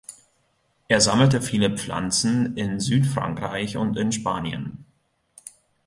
Er sammelte viele Pflanzen in Südfrankreich und in Spanien.